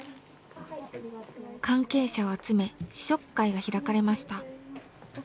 関係者を集め試食会が開かれました。